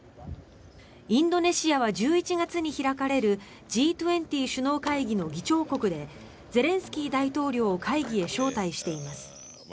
インドネシアは１１月に開かれるＧ２０首脳会議の議長国でゼレンスキー大統領を会議へ招待しています。